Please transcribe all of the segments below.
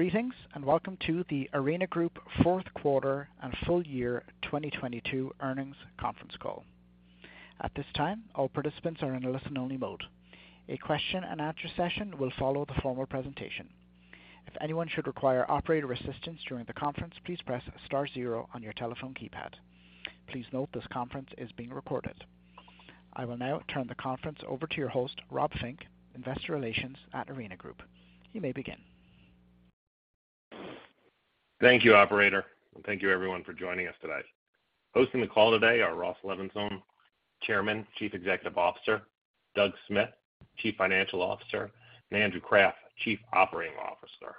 Greetings, welcome to The Arena Group fourth quarter and full year 2022 earnings conference call. At this time, all participants are in a listen-only mode. A question and answer session will follow the formal presentation. If anyone should require operator assistance during the conference, please press star zero on your telephone keypad. Please note this conference is being recorded. I will now turn the conference over to your host, Rob Fink, Investor Relations at The Arena Group. You may begin. Thank you, operator. Thank you everyone for joining us today. Hosting the call today are Ross Levinsohn, Chairman, Chief Executive Officer, Doug Smith, Chief Financial Officer, and Andrew Kraft, Chief Operating Officer.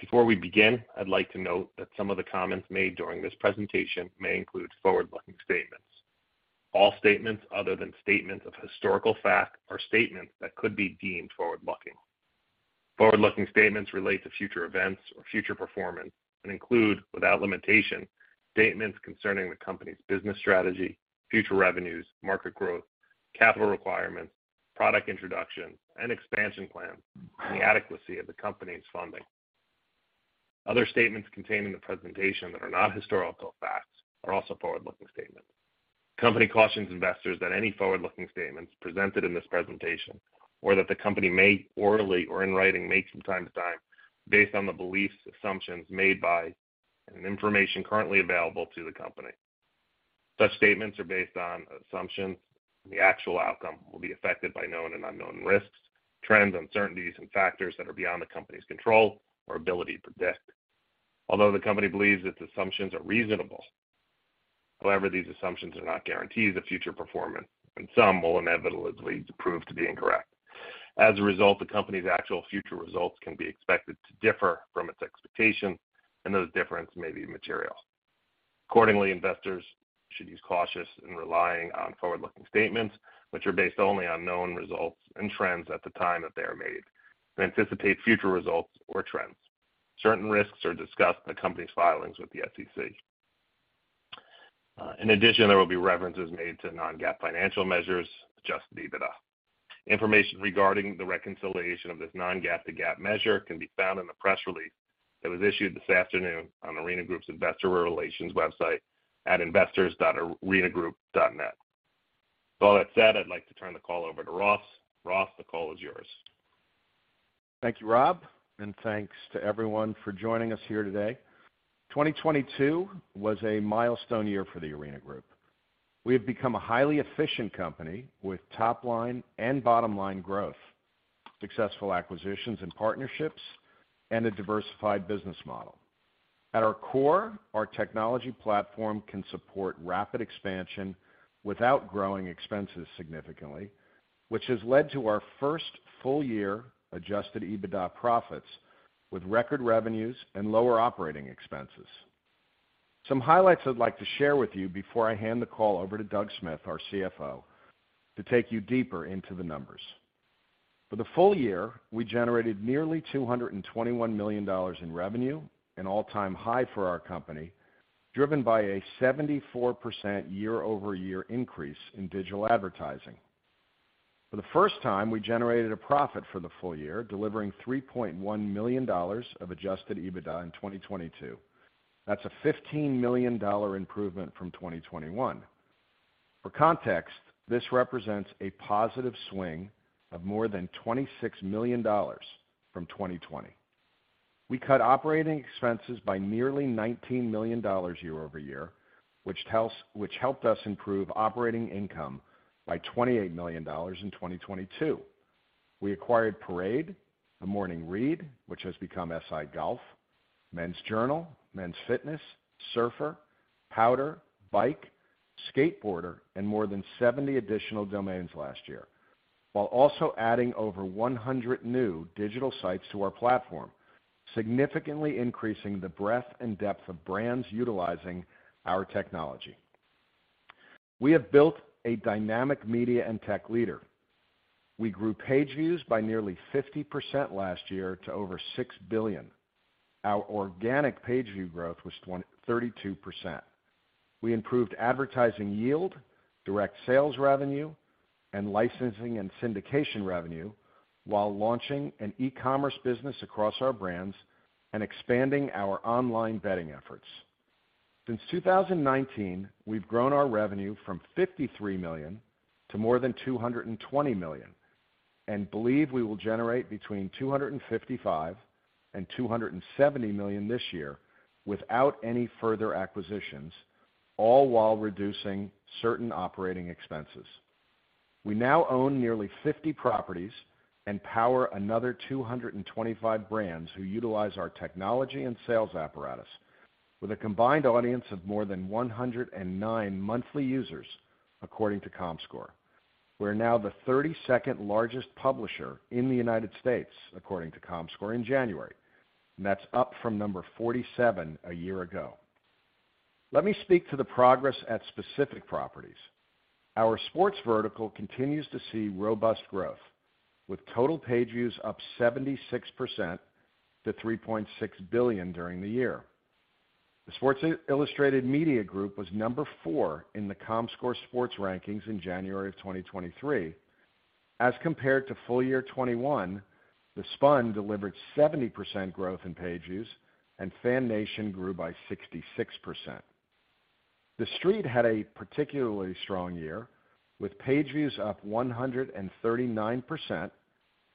Before we begin, I'd like to note that some of the comments made during this presentation may include forward-looking statements. All statements other than statements of historical fact are statements that could be deemed forward-looking. Forward-looking statements relate to future events or future performance and include, without limitation, statements concerning the company's business strategy, future revenues, market growth, capital requirements, product introductions and expansion plans, and the adequacy of the company's funding. Other statements contained in the presentation that are not historical facts are also forward-looking statements. Company cautions investors that any forward-looking statements presented in this presentation, or that the company may orally or in writing make from time to time based on the beliefs, assumptions made by, and information currently available to the company. Such statements are based on assumptions, and the actual outcome will be affected by known and unknown risks, trends, uncertainties, and factors that are beyond the company's control or ability to predict. Although the company believes its assumptions are reasonable, however, these assumptions are not guarantees of future performance, and some will inevitably prove to be incorrect. As a result, the company's actual future results can be expected to differ from its expectations, and those differences may be material. Accordingly, investors should use cautious in relying on forward-looking statements which are based only on known results and trends at the time that they are made and anticipate future results or trends. Certain risks are discussed in the company's filings with the SEC. In addition, there will be references made to non-GAAP financial measures, Adjusted EBITDA. Information regarding the reconciliation of this non-GAAP to GAAP measure can be found in the press release that was issued this afternoon on The Arena Group's Investor Relations website at investors.thearenagroup.net. With all that said, I'd like to turn the call over to Ross. Ross, the call is yours. Thank you, Rob, and thanks to everyone for joining us here today. 2022 was a milestone year for The Arena Group. We have become a highly efficient company with top line and bottom line growth, successful acquisitions and partnerships, and a diversified business model. At our core, our technology platform can support rapid expansion without growing expenses significantly, which has led to our first full year Adjusted EBITDA profits with record revenues and lower operating expenses. Some highlights I'd like to share with you before I hand the call over to Doug Smith, our CFO, to take you deeper into the numbers. For the full year, we generated nearly $221 million in revenue, an all-time high for our company, driven by a 74% year-over-year increase in digital advertising. For the first time, we generated a profit for the full year, delivering $3.1 million of Adjusted EBITDA in 2022. That's a $15 million improvement from 2021. For context, this represents a positive swing of more than $26 million from 2020. We cut operating expenses by nearly $19 million year-over-year, which helped us improve operating income by $28 million in 2022. We acquired Parade, The Morning Read, which has become SI Golf, Men's Journal, Men's Fitness, Surfer, Powder, Bike, Skateboarder, and more than 70 additional domains last year, while also adding over 100 new digital sites to our platform, significantly increasing the breadth and depth of brands utilizing our technology. We have built a dynamic media and tech leader. We grew page views by nearly 50% last year to over 6 billion. Our organic page view growth was 32%. We improved advertising yield, direct sales revenue, and licensing and syndication revenue while launching an e-commerce business across our brands and expanding our online betting efforts. Since 2019, we've grown our revenue from $53 million to more than $220 million, and believe we will generate between $255 million and $270 million this year without any further acquisitions, all while reducing certain operating expenses. We now own nearly 50 properties and power another 225 brands who utilize our technology and sales apparatus with a combined audience of more than 109 monthly users according to Comscore. We're now the 32nd largest publisher in the U.S., according to Comscore in January. That's up from number 47 a year ago. Let me speak to the progress at specific properties. Our sports vertical continues to see robust growth with total page views up 76% to 3.6 billion during the year. The Sports Illustrated Media Group was number four in the Comscore sports rankings in January 2023. As compared to full year 2021, The Spun delivered 70% growth in page views and FanNation grew by 66%. TheStreet had a particularly strong year, with page views up 139%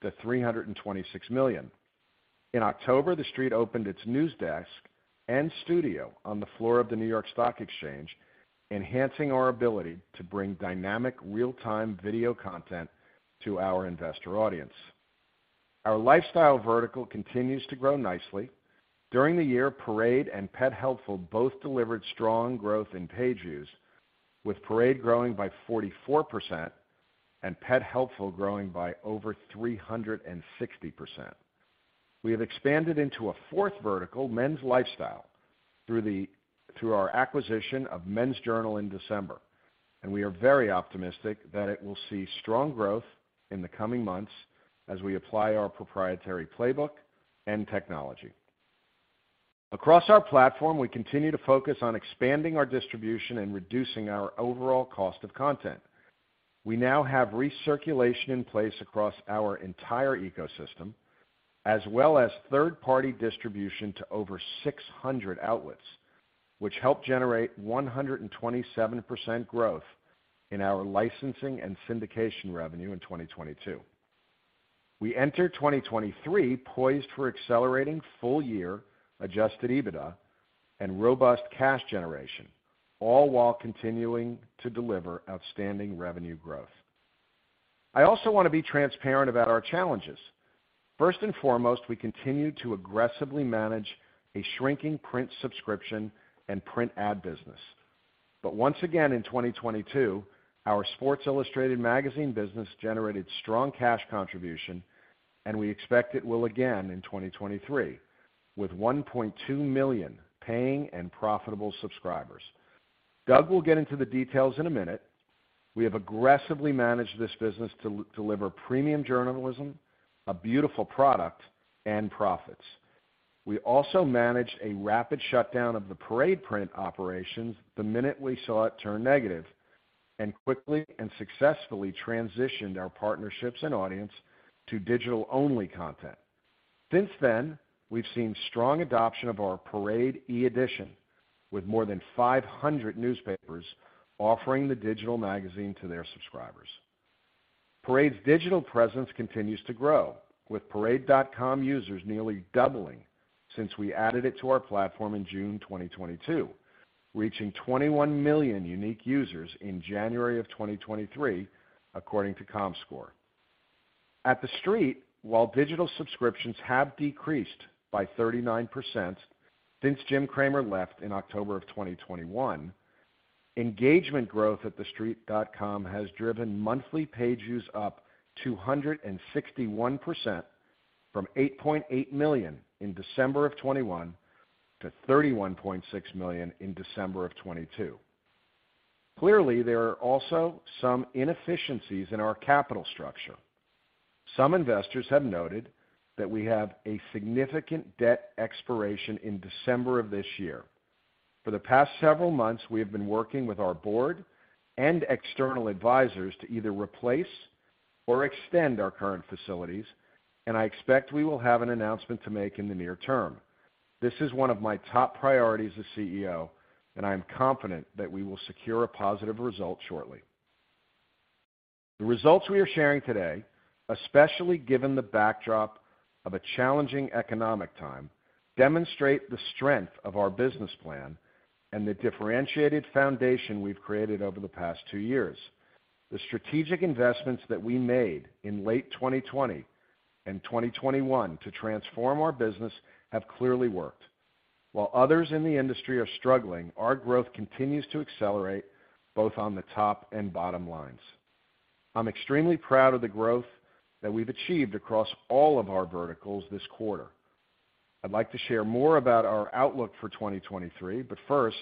to 326 million. In October, TheStreet opened its news desk and studio on the floor of the New York Stock Exchange, enhancing our ability to bring dynamic real-time video content to our investor audience. Our lifestyle vertical continues to grow nicely. During the year, Parade and PetHelpful both delivered strong growth in page views, with Parade growing by 44% and PetHelpful growing by over 360%. We have expanded into a fourth vertical, men's lifestyle, through our acquisition of Men's Journal in December. We are very optimistic that it will see strong growth in the coming months as we apply our proprietary playbook and technology. Across our platform, we continue to focus on expanding our distribution and reducing our overall cost of content. We now have recirculation in place across our entire ecosystem, as well as third-party distribution to over 600 outlets, which help generate 127% growth in our licensing and syndication revenue in 2022. We enter 2023 poised for accelerating full year Adjusted EBITDA and robust cash generation, all while continuing to deliver outstanding revenue growth. I also want to be transparent about our challenges. First and foremost, we continue to aggressively manage a shrinking print subscription and print ad business. Once again in 2022, our Sports Illustrated magazine business generated strong cash contribution, and we expect it will again in 2023, with 1.2 million paying and profitable subscribers. Doug will get into the details in a minute. We have aggressively managed this business to deliver premium journalism, a beautiful product and profits. We also managed a rapid shutdown of the Parade print operations the minute we saw it turn negative, and quickly and successfully transitioned our partnerships and audience to digital-only content. Since then, we've seen strong adoption of our Parade e-edition, with more than 500 newspapers offering the digital magazine to their subscribers. Parade's digital presence continues to grow, with Parade.com users nearly doubling since we added it to our platform in June 2022, reaching 21 million unique users in January 2023, according to Comscore. At TheStreet, while digital subscriptions have decreased by 39% since Jim Cramer left in October 2021, engagement growth at TheStreet.com has driven monthly page views up 261% from 8.8 million in December 2021 to 31.6 million in December 2022. Clearly, there are also some inefficiencies in our capital structure. Some investors have noted that we have a significant debt expiration in December of this year. For the past several months, we have been working with our board and external advisors to either replace or extend our current facilities. I expect we will have an announcement to make in the near term. This is one of my top priorities as CEO. I am confident that we will secure a positive result shortly. The results we are sharing today, especially given the backdrop of a challenging economic time, demonstrate the strength of our business plan and the differentiated foundation we've created over the past two years. The strategic investments that we made in late 2020 and 2021 to transform our business have clearly worked. While others in the industry are struggling, our growth continues to accelerate both on the top and bottom lines. I'm extremely proud of the growth that we've achieved across all of our verticals this quarter. I'd like to share more about our outlook for 2023, first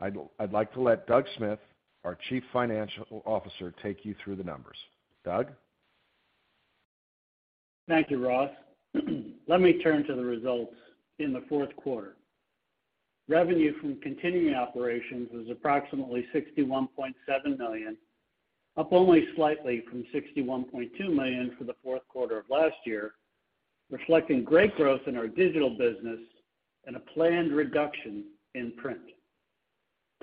I'd like to let Doug Smith, our Chief Financial Officer, take you through the numbers. Doug? Thank you, Ross. Let me turn to the results in the fourth quarter. Revenue from continuing operations was approximately $61.7 million, up only slightly from $61.2 million for the fourth quarter of last year, reflecting great growth in our digital business and a planned reduction in print.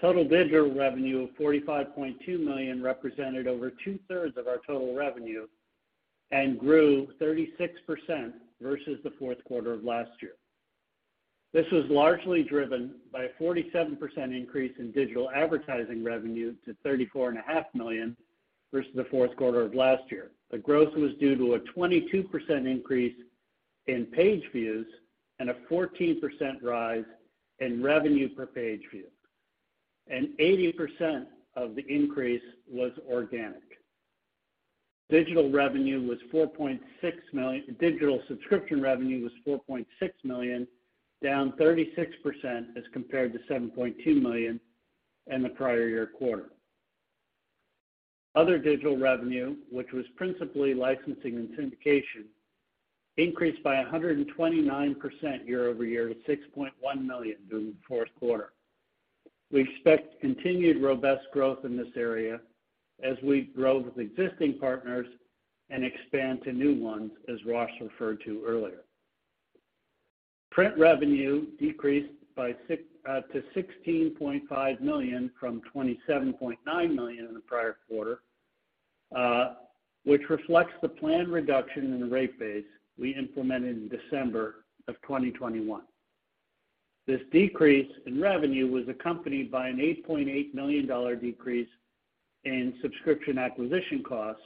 Total digital revenue of $45.2 million represented over 2/3 of our total revenue and grew 36% versus the fourth quarter of last year. This was largely driven by a 47% increase in digital advertising revenue to $34.5 million versus the fourth quarter of last year. The growth was due to a 22% increase in page views and a 14% rise in revenue per page view, and 80% of the increase was organic. Digital subscription revenue was $4.6 million, down 36% as compared to $7.2 million in the prior year quarter. Other digital revenue, which was principally licensing and syndication, increased by 129% year-over-year to $6.1 million during the fourth quarter. We expect continued robust growth in this area as we grow with existing partners and expand to new ones, as Ross referred to earlier. Print revenue decreased to $16.5 million from $27.9 million in the prior quarter, which reflects the planned reduction in the rate base we implemented in December 2021. This decrease in revenue was accompanied by an $8.8 million decrease in subscription acquisition costs,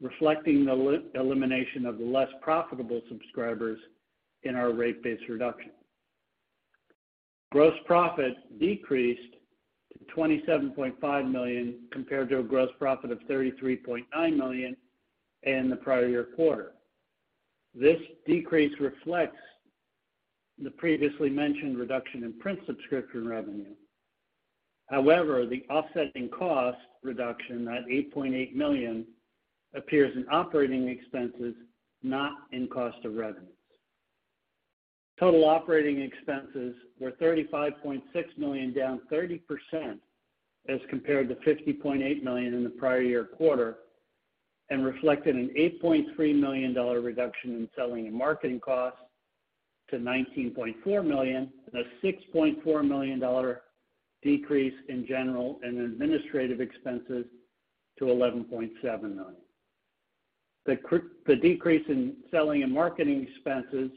reflecting the elimination of the less profitable subscribers in our rate base reduction. Gross profit decreased to $27.5 million, compared to a gross profit of $33.9 million in the prior year quarter. This decrease reflects the previously mentioned reduction in print subscription revenue. However, the offsetting cost reduction at $8.8 million appears in operating expenses, not in cost of revenues. Total operating expenses were $35.6 million, down 30% as compared to $50.8 million in the prior year quarter, and reflected an $8.3 million reduction in selling and marketing costs to $19.4 million and a $6.4 million decrease in general and administrative expenses to $11.7 million. The decrease in selling and marketing expenses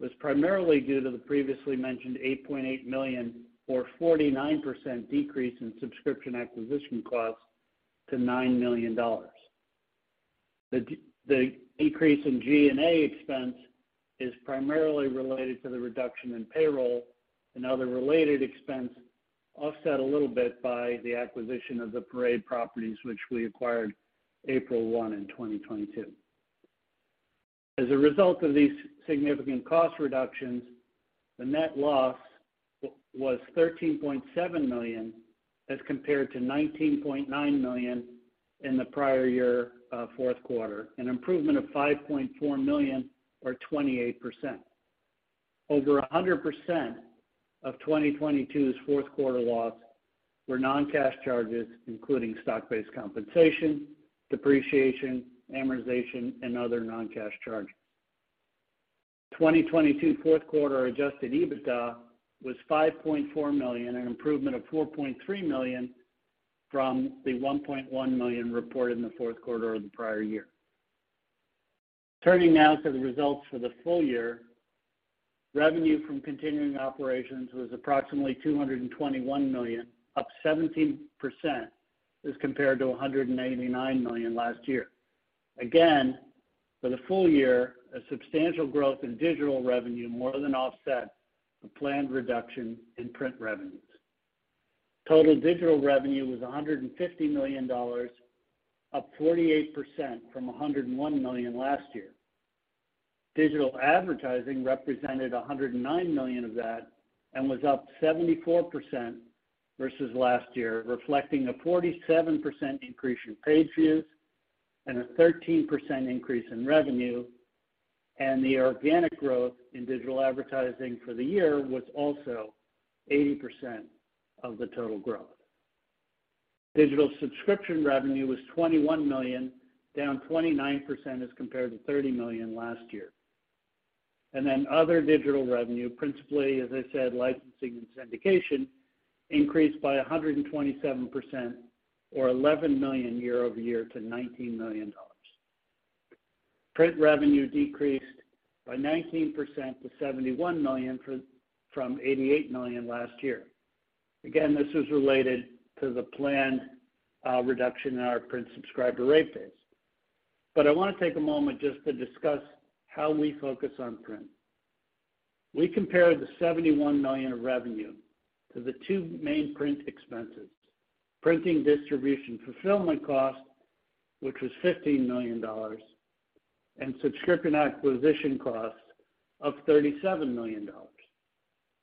was primarily due to the previously mentioned $8.8 million or 49% decrease in subscription acquisition costs to $9 million. The increase in G&A expense is primarily related to the reduction in payroll and other related expense, offset a little bit by the acquisition of the Parade properties, which we acquired April 1, 2022. As a result of these significant cost reductions, the net loss was $13.7 million, as compared to $19.9 million in the prior year fourth quarter, an improvement of $5.4 million or 28%. Over 100% of 2022's fourth quarter loss were non-cash charges, including stock-based compensation, depreciation, amortization and other non-cash charges. 2022 fourth quarter Adjusted EBITDA was $5.4 million, an improvement of $4.3 million from the $1.1 million reported in the fourth quarter of the prior year. Turning now to the results for the full year, revenue from continuing operations was approximately $221 million, up 17% as compared to $189 million last year. For the full year, a substantial growth in digital revenue more than offset the planned reduction in print revenues. Total digital revenue was $150 million, up 48% from $101 million last year. Digital advertising represented $109 million of that and was up 74% versus last year, reflecting a 47% increase in page views and a 13% increase in revenue. The organic growth in digital advertising for the year was also 80% of the total growth. Digital subscription revenue was $21 million, down 29% as compared to $30 million last year. Other digital revenue, principally, as I said, licensing and syndication, increased by 127% or $11 million year-over-year to $19 million. Print revenue decreased by 19% to $71 million from $88 million last year. Again, this is related to the planned reduction in our print subscriber rate base. I wanna take a moment just to discuss how we focus on print. We compared the $71 million of revenue to the two main print expenses, printing distribution fulfillment costs, which was $15 million, and subscription acquisition costs of $37 million.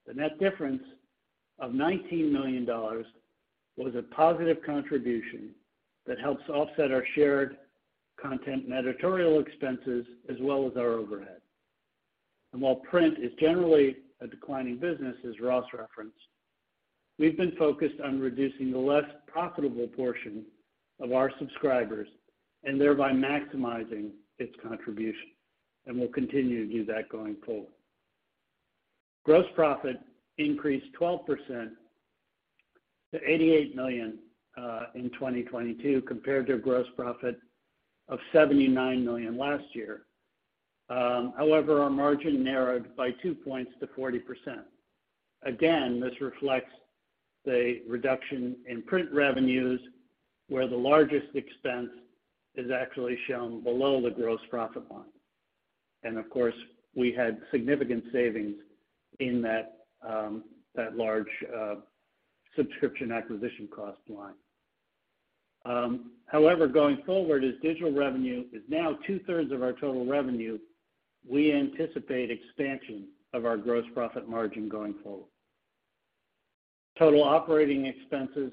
The net difference of $19 million was a positive contribution that helps offset our shared content and editorial expenses, as well as our overhead. While print is generally a declining business, as Ross referenced, we've been focused on reducing the less profitable portion of our subscribers and thereby maximizing its contribution, and we'll continue to do that going forward. Gross profit increased 12% to $88 million in 2022, compared to a gross profit of $79 million last year. However, our margin narrowed by two points to 40%. Again, this reflects the reduction in print revenues, where the largest expense is actually shown below the gross profit line. Of course, we had significant savings in that large, subscription acquisition cost line. However, going forward, as digital revenue is now 2/3 of our total revenue, we anticipate expansion of our gross profit margin going forward. Total Operating Expenses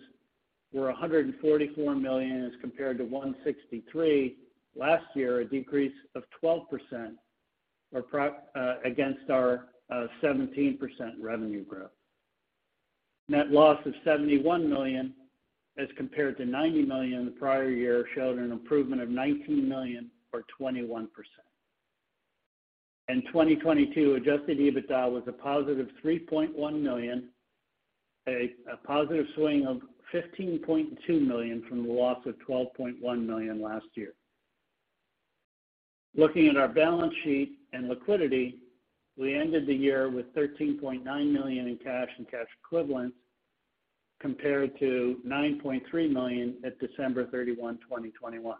were $144 million as compared to $163 million last year, a decrease of 12% against our 17% revenue growth. Net loss of $71 million as compared to $90 million the prior year showed an improvement of $19 million or 21%. In 2022, Adjusted EBITDA was a positive $3.1 million, a positive swing of $15.2 million from the loss of $12.1 million last year. Looking at our balance sheet and liquidity, we ended the year with $13.9 million in cash and cash equivalents compared to $9.3 million at December 31, 2021.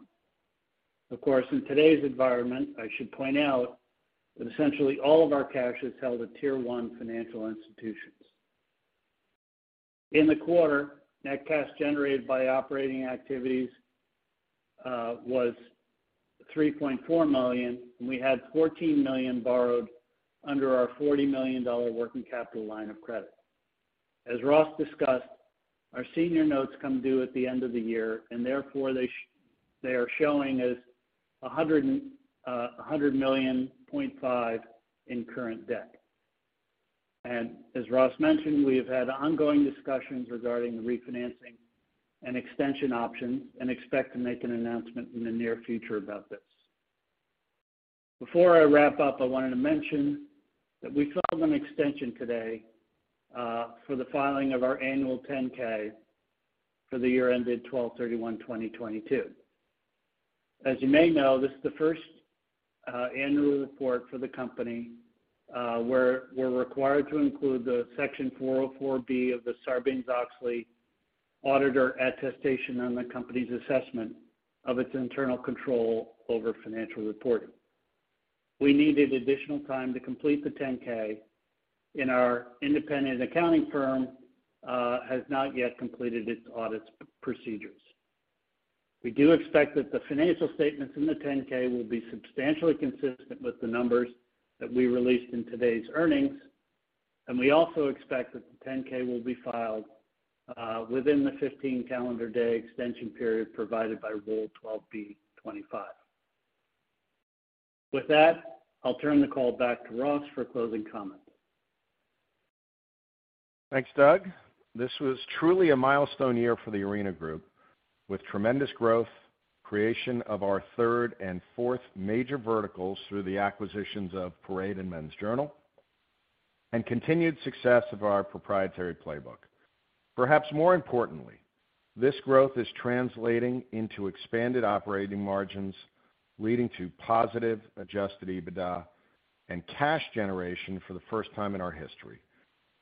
Of course, in today's environment, I should point out that essentially all of our cash is held at Tier 1 financial institutions. In the quarter, net cash generated by operating activities was $3.4 million, and we had $14 million borrowed under our $40 million working capital line of credit. As Ross discussed, our senior notes come due at the end of the year, and therefore they are showing as $100.5 million in current debt. As Ross mentioned, we have had ongoing discussions regarding refinancing and extension options and expect to make an announcement in the near future about this. Before I wrap up, I wanted to mention that we filed an extension today for the filing of our Annual 10-K for the year ended 12/31/2022. As you may know, this is the first annual report for the company, where we're required to include the Section 404(b) of the Sarbanes-Oxley auditor attestation on the company's assessment of its internal control over financial reporting. We needed additional time to complete the 10-K. Our independent accounting firm has not yet completed its audit procedures. We do expect that the financial statements in the 10-K will be substantially consistent with the numbers that we released in today's earnings. We also expect that the 10-K will be filed within the 15 calendar day extension period provided by Rule 12b-25. With that, I'll turn the call back to Ross for closing comments. Thanks, Doug. This was truly a milestone year for The Arena Group, with tremendous growth, creation of our third and fourth major verticals through the acquisitions of Parade and Men's Journal, and continued success of our proprietary playbook. Perhaps more importantly, this growth is translating into expanded operating margins, leading to positive Adjusted EBITDA and cash generation for the first time in our history.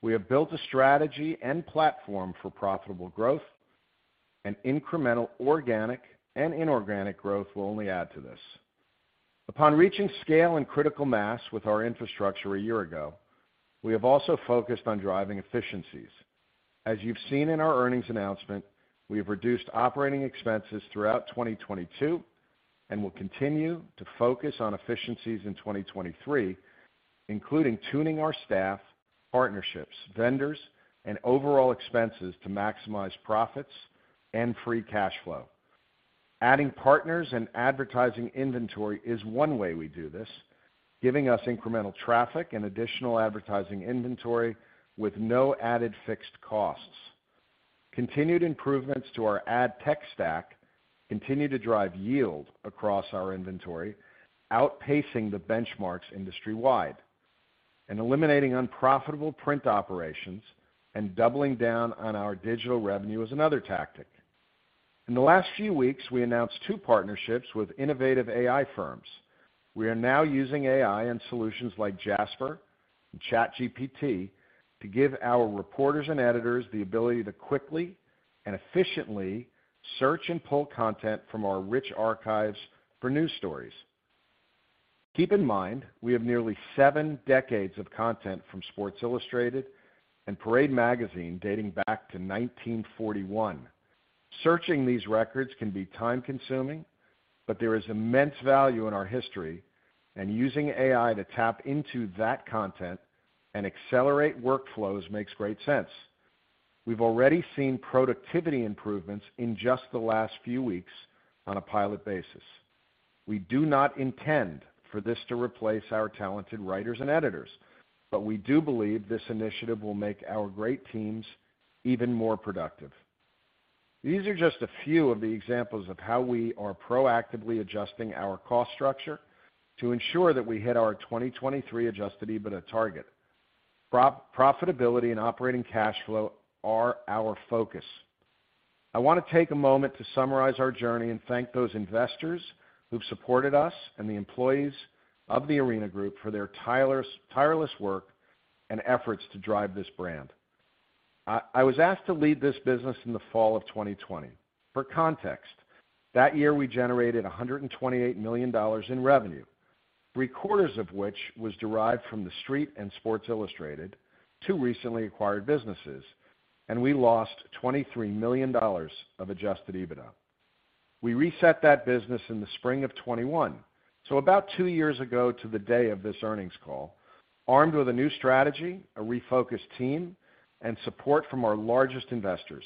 We have built a strategy and platform for profitable growth, and incremental organic and inorganic growth will only add to this. Upon reaching scale and critical mass with our infrastructure a year ago, we have also focused on driving efficiencies. As you've seen in our earnings announcement, we have reduced operating expenses throughout 2022 and will continue to focus on efficiencies in 2023, including tuning our staff, partnerships, vendors, and overall expenses to maximize profits and free cash flow. Adding partners and advertising inventory is one way we do this, giving us incremental traffic and additional advertising inventory with no added fixed costs. Continued improvements to our ad tech stack continue to drive yield across our inventory, outpacing the benchmarks industry-wide. Eliminating unprofitable print operations and doubling down on our digital revenue is another tactic. In the last few weeks, we announced two partnerships with innovative AI firms. We are now using AI and solutions like Jasper and ChatGPT to give our reporters and editors the ability to quickly and efficiently search and pull content from our rich archives for news stories. Keep in mind, we have nearly seven decades of content from Sports Illustrated and Parade magazine dating back to 1941. Searching these records can be time-consuming, there is immense value in our history, and using AI to tap into that content and accelerate workflows makes great sense. We've already seen productivity improvements in just the last few weeks on a pilot basis. We do not intend for this to replace our talented writers and editors, we do believe this initiative will make our great teams even more productive. These are just a few of the examples of how we are proactively adjusting our cost structure to ensure that we hit our 2023 Adjusted EBITDA target. Pro-profitability and operating cash flow are our focus. I wanna take a moment to summarize our journey and thank those investors who've supported us and the employees of The Arena Group for their tireless work and efforts to drive this brand. I was asked to lead this business in the fall of 2020. For context, that year we generated $128 million in revenue, three-quarters of which was derived from TheStreet and Sports Illustrated, two recently acquired businesses. We lost $23 million of Adjusted EBITDA. We reset that business in the spring of 2021, so about two years ago to the day of this earnings call, armed with a new strategy, a refocused team, and support from our largest investors.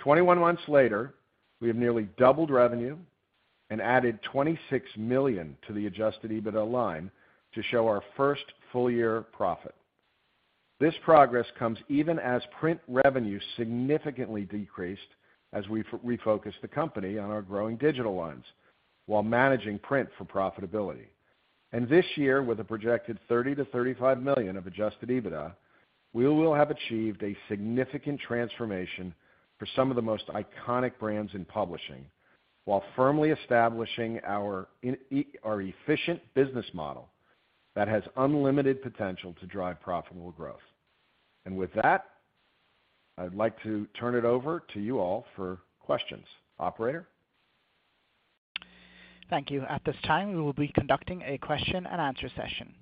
21 months later, we have nearly doubled revenue and added $26 million to the Adjusted EBITDA line to show our first full-year profit. This progress comes even as print revenue significantly decreased as we refocused the company on our growing digital lines while managing print for profitability. This year, with a projected $30 million-$35 million of Adjusted EBITDA, we will have achieved a significant transformation for some of the most iconic brands in publishing while firmly establishing our efficient business model that has unlimited potential to drive profitable growth. With that, I'd like to turn it over to you all for questions. Operator? Thank you. At this time, we will be conducting a question-and-answer session.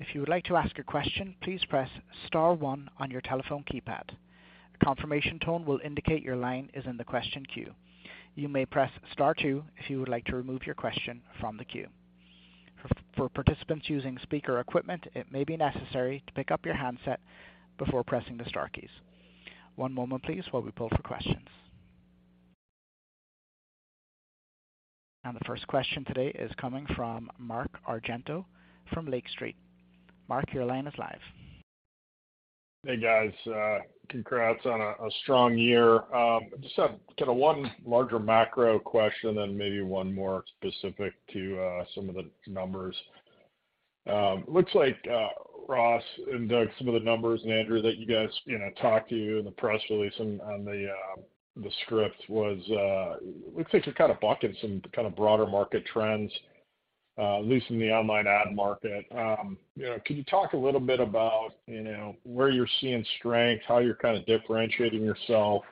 If you would like to ask a question, please press star one on your telephone keypad. A confirmation tone will indicate your line is in the question queue. You may press star two if you would like to remove your question from the queue. For participants using speaker equipment, it may be necessary to pick up your handset before pressing the star keys. One moment, please, while we pull for questions. The first question today is coming from Mark Argento from Lake Street. Mark, your line is live. Hey, guys. Congrats on a strong year. I just have kinda one larger macro question and maybe one more specific to some of the numbers. Looks like Ross and Doug, some of the numbers, and Andrew, that you guys, you know, talked to in the press release and on the script, you're kinda bucking some kinda broader market trends, at least in the online ad market. You know, can you talk a little bit about, you know, where you're seeing strength, how you're kinda differentiating yourself?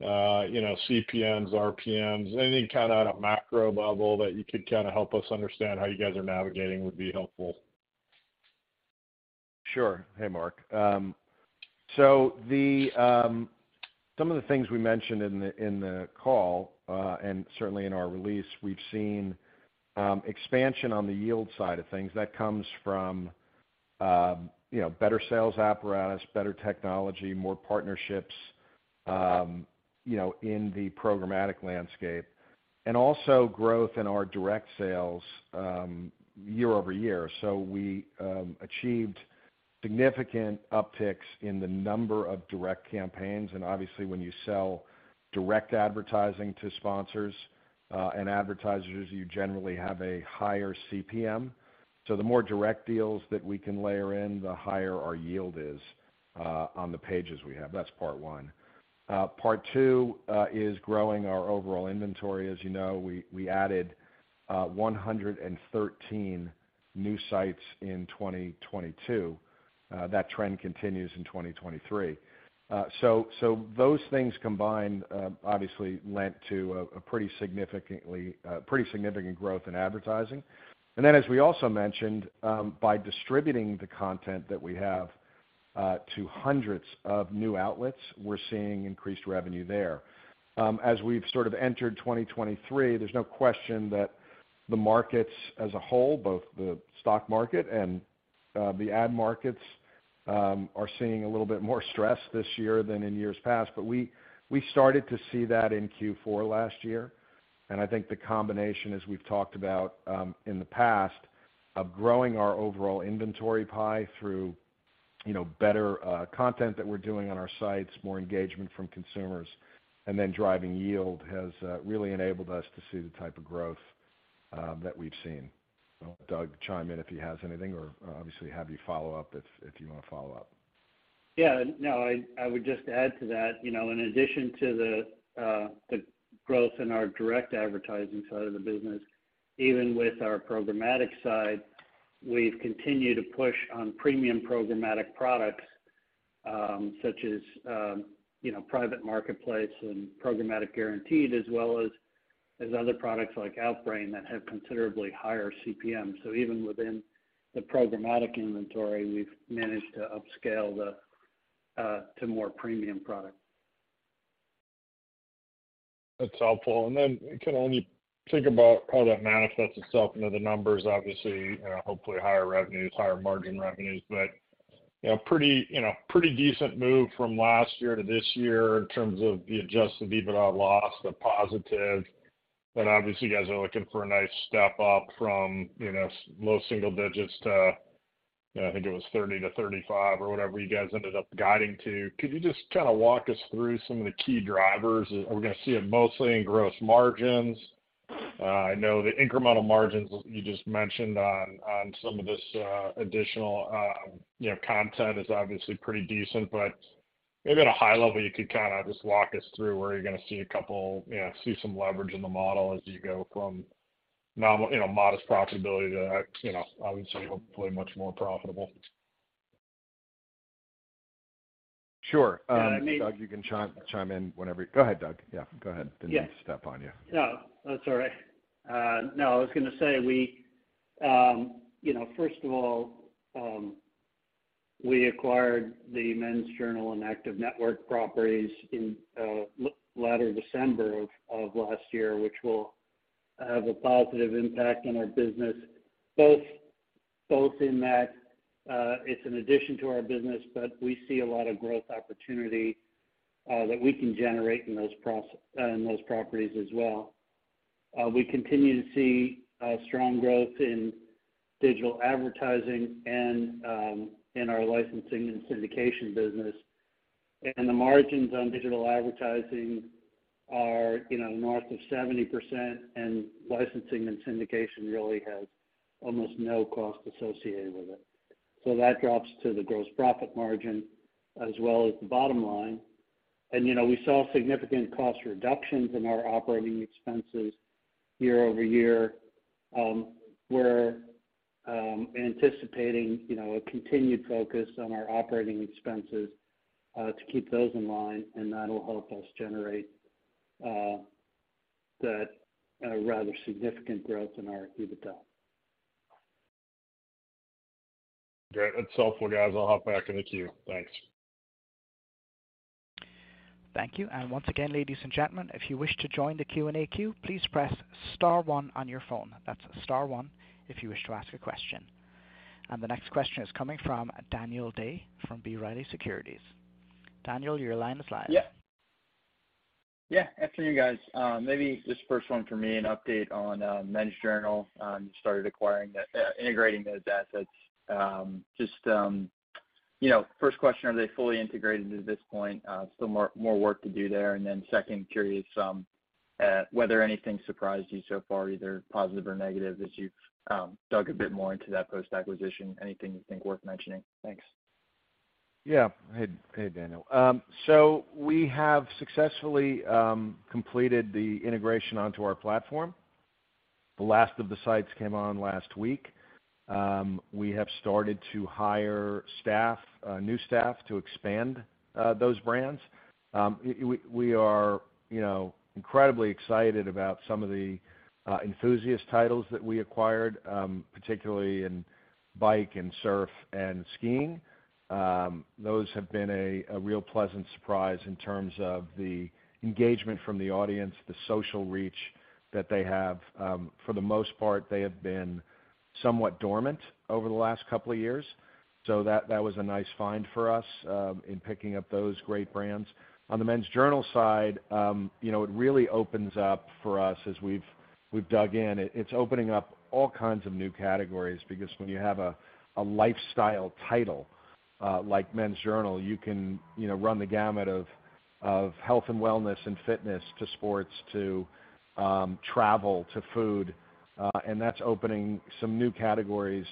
You know, CPMs, RPMs, anything kinda at a macro level that you could kinda help us understand how you guys are navigating would be helpful. Sure. Hey, Mark. Some of the things we mentioned in the call and certainly in our release, we've seen expansion on the yield side of things. That comes from better sales apparatus, better technology, more partnerships in the programmatic landscape, and also growth in our direct sales year-over-year. We achieved significant upticks in the number of direct campaigns, and obviously, when you sell direct advertising to sponsors and advertisers, you generally have a higher CPM. The more direct deals that we can layer in, the higher our yield is on the pages we have. That's part one. Part two is growing our overall inventory. As you know, we added 113 new sites in 2022. That trend continues in 2023. Those things combined, obviously lent to a pretty significantly pretty significant growth in advertising. As we also mentioned, by distributing the content that we have, to hundreds of new outlets, we're seeing increased revenue there. As we've sort of entered 2023, there's no question that the markets as a whole, both the stock market and the ad markets, are seeing a little bit more stress this year than in years past. We started to see that in Q4 last year. I think the combination, as we've talked about, in the past, of growing our overall inventory pie through, you know, better content that we're doing on our sites, more engagement from consumers, and then driving yield has really enabled us to see the type of growth that we've seen. I'll let Doug chime in if he has anything or obviously have you follow up if you wanna follow up. I would just add to that. You know, in addition to the growth in our direct advertising side of the business, even with our programmatic side, we've continued to push on premium programmatic products, such as, you know, private marketplace and programmatic guaranteed, as well as other products like Outbrain that have considerably higher CPM. Even within the programmatic inventory, we've managed to upscale the to more premium product. That's helpful. can only think about how that manifests itself into the numbers, obviously, hopefully higher revenues, higher margin revenues. you know, pretty, you know, pretty decent move from last year to this year in terms of the Adjusted EBITDA loss, the positive. obviously, you guys are looking for a nice step up from, you know, low single digits to, you know, I think it was 30-35 or whatever you guys ended up guiding to. Could you just kinda walk us through some of the key drivers? Are we gonna see it mostly in gross margins? I know the incremental margins you just mentioned on some of this, additional, you know, content is obviously pretty decent, but maybe at a high level, you could kinda just walk us through where you're gonna see some leverage in the model as you go from you know, modest profitability to, you know, obviously, hopefully much more profitable? Sure. Yeah, I mean. Doug, you can chime in whenever you. Go ahead, Doug. Yeah, go ahead. Yeah. Didn't mean to step on you. No, that's all right. We acquired the Men's Journal and Active Network properties in latter December of last year, which will have a positive impact on our business, both in that it's an addition to our business, but we see a lot of growth opportunity that we can generate in those properties as well. We continue to see a strong growth in digital advertising and in our licensing and syndication business. The margins on digital advertising are, you know, north of 70%, and licensing and syndication really has almost no cost associated with it. That drops to the gross profit margin as well as the bottom line. You know, we saw significant cost reductions in our operating expenses year-over-year. We're anticipating, you know, a continued focus on our operating expenses to keep those in line, and that'll help us generate that rather significant growth in our EBITDA. Great. That's helpful, guys. I'll hop back in the queue. Thanks. Thank you. Once again, ladies and gentlemen, if you wish to join the Q&A queue, please press star one on your phone. That's star one if you wish to ask a question. The next question is coming from Daniel Day from B. Riley Securities. Daniel, your line is live. Yeah. Yeah. Afternoon, guys. Maybe just first one for me, an update on Men's Journal. You started integrating those assets. You know, first question, are they fully integrated at this point? Still more work to do there? Second, curious whether anything surprised you so far, either positive or negative as you've dug a bit more into that post-acquisition. Anything you think worth mentioning? Thanks. Hey, hey, Daniel. We have successfully completed the integration onto our platform. The last of the sites came on last week. We have started to hire staff, new staff to expand those brands. We are, you know, incredibly excited about some of the enthusiast titles that we acquired, particularly in Bike and surf and skiing. Those have been a real pleasant surprise in terms of the engagement from the audience, the social reach that they have. For the most part, they have been somewhat dormant over the last couple of years, so that was a nice find for us in picking up those great brands. On the Men's Journal side, you know, it really opens up for us as we've dug in. It's opening up all kinds of new categories because when you have a lifestyle title, like Men's Journal, you can, you know, run the gamut of health and wellness and fitness to sports, to travel, to food. That's opening some new categories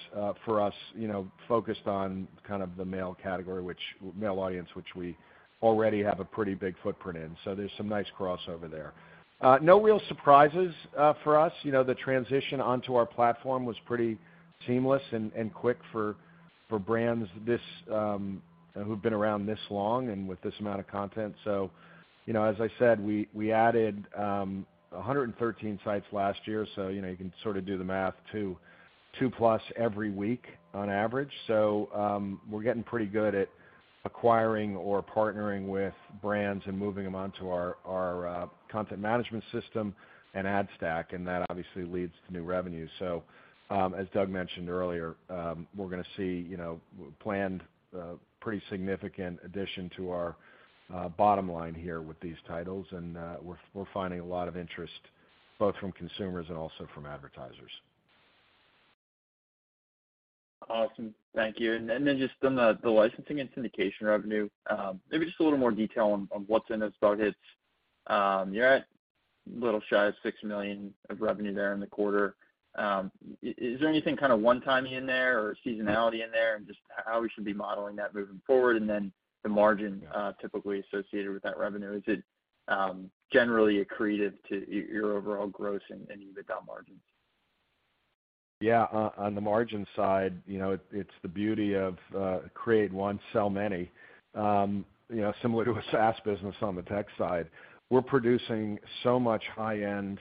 for us, you know, focused on kind of the male category, male audience, which we already have a pretty big footprint in. There's some nice crossover there. No real surprises for us. You know, the transition onto our platform was pretty seamless and quick for brands this who've been around this long and with this amount of content. You know, as I said, we added 113 sites last year, you know, you can sort of do the math 2+ every week on average. We're getting pretty good at acquiring or partnering with brands and moving them onto our content management system and ad stack, and that obviously leads to new revenue. As Doug mentioned earlier, we're gonna see, you know, planned, pretty significant addition to our bottom line here with these titles. We're finding a lot of interest both from consumers and also FROM advertisers. Awesome. Thank you. Just on the licensing and syndication revenue, maybe just a little more detail on what's in those buckets. You're at a little shy of $6 million of revenue there in the quarter. Is there anything kinda one-timing in there or seasonality in there, and just how we should be modeling that moving forward? The margin, typically associated with that revenue, is it, generally accretive to your overall gross and EBITDA margins? Yeah. On the margin side, you know, it's the beauty of create one, sell many. You know, similar to a SaaS business on the tech side. We're producing so much high-end,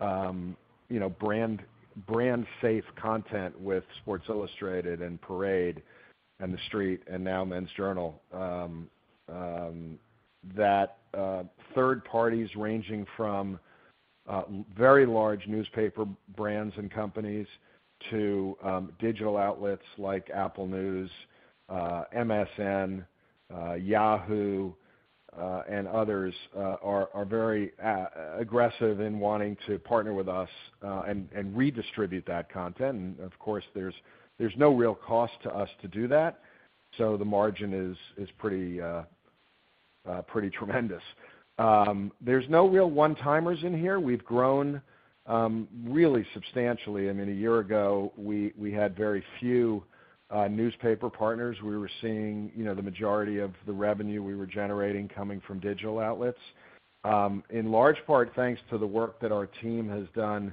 you know, brand safe content with Sports Illustrated and Parade and TheStreet and now Men's Journal, that third parties ranging from very large newspaper brands and companies to digital outlets like Apple News, MSN, Yahoo, and others, are very aggressive in wanting to partner with us and redistribute that content. Of course, there's no real cost to us to do that, so the margin is pretty tremendous. There's no real one-timers in here. We've grown really substantially. I mean, a year ago, we had very few newspaper partners. We were seeing, you know, the majority of the revenue we were generating coming from digital outlets. In large part, thanks to the work that our team has done,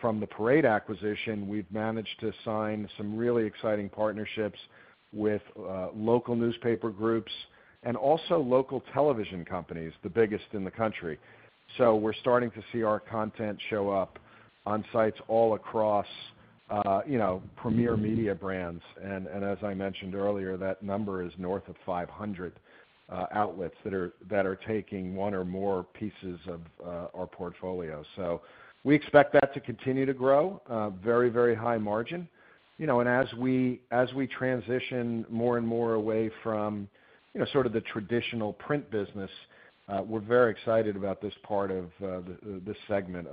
from the Parade acquisition, we've managed to sign some really exciting partnerships with local newspaper groups. Also local television companies, the biggest in the country. We're starting to see our content show up on sites all across, you know, premier media brands. As I mentioned earlier, that number is north of 500 outlets that are taking one or more pieces of our portfolio. We expect that to continue to grow, very, very high margin. You know, as we transition more and more away from, you know, sort of the traditional print business, we're very excited about this part of this segment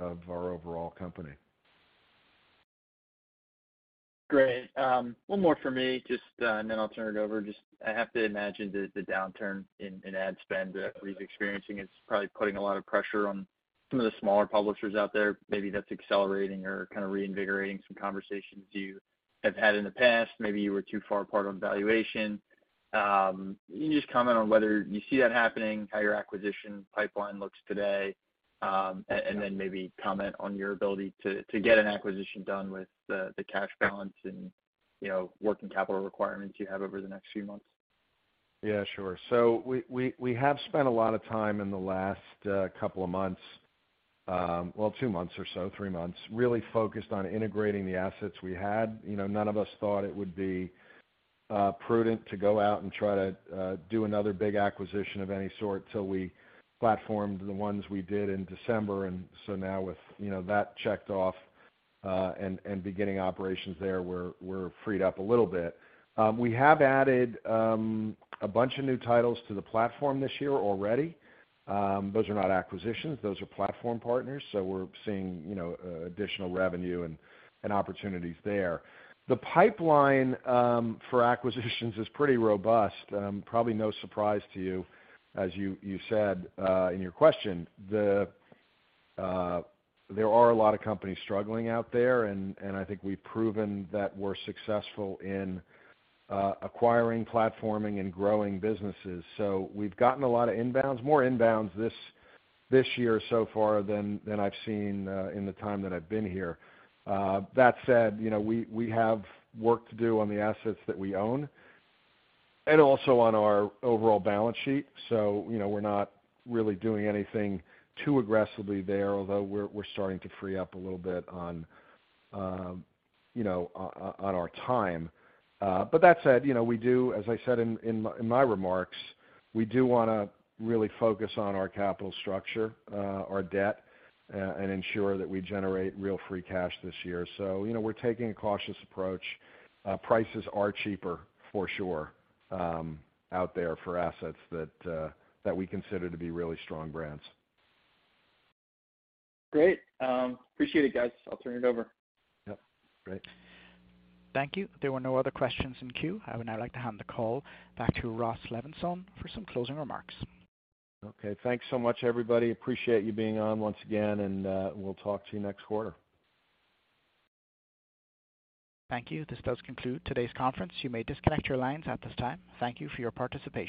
of our overall company. Great. One more for me, just, and then I'll turn it over. Just I have to imagine that the downturn in ad spend that everybody's experiencing is probably putting a lot of pressure on some of the smaller publishers out there. Maybe that's accelerating or kinda reinvigorating some conversations you have had in the past. Maybe you were too far apart on valuation. Can you just comment on whether you see that happening, how your acquisition pipeline looks today, and then maybe comment on your ability to get an acquisition done with the cash balance and, you know, working capital requirements you have over the next few months? Yeah, sure. We have spent a lot of time in the last couple of months, well, two months or so, three months, really focused on integrating the assets we had. You know, none of us thought it would be prudent to go out and try to do another big acquisition of any sort till we platformed the ones we did in December. Now with, you know, that checked off and beginning operations there, we're freed up a little bit. We have added a bunch of new titles to the platform this year already. Those are not acquisitions, those are platform partners, so we're seeing, you know, additional revenue and opportunities there. The pipeline for acquisitions is pretty robust. Probably no surprise to you, as you said in your question. There are a lot of companies struggling out there, and I think we've proven that we're successful in acquiring, platforming, and growing businesses. We've gotten a lot of inbounds, more inbounds this year so far than I've seen in the time that I've been here. That said, you know, we have work to do on the assets that we own and also on our overall balance sheet. You know, we're not really doing anything too aggressively there, although we're starting to free up a little bit on, you know, on our time. That said, you know, we do, as I said in my remarks, we do wanna really focus on our capital structure, our debt, and ensure that we generate real free cash this year. You know, we're taking a cautious approach. Prices are cheaper, for sure, out there for assets that we consider to be really strong brands. Great. Appreciate it, guys. I'll turn it over. Yep. Great. Thank you. There were no other questions in queue. I would now like to hand the call back to Ross Levinsohn for some closing remarks. Okay. Thanks so much, everybody. Appreciate you being on once again, and, we'll talk to you next quarter. Thank you. This does conclude today's conference. You may disconnect your lines at this time. Thank you for your participation.